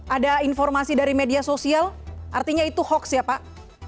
ada informasi dari media sosial artinya itu hoax ya pak